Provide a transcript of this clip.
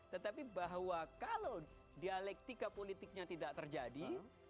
tetapi bahwa kalau dialektika politiknya tidak terjadi